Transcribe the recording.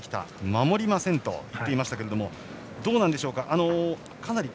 守りませんといいましたがどうなんでしょうか。